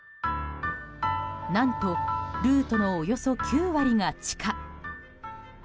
何とルートのおよそ９割が地下。